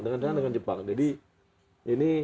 dengan jepang jadi ini